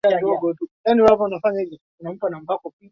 kwa sababu tatizo tena ni katiba eeh eh katika nchi nyingi za afrika